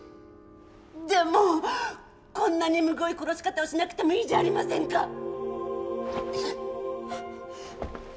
でもこんなにむごい殺し方をしなくてもいいじゃありませんか！